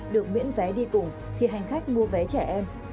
được miễn vé đi cùng thì hành khách mua vé trẻ em